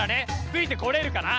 ついてこれるかな？